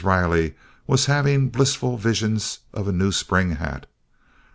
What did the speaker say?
Riley was having blissful visions of a new spring hat.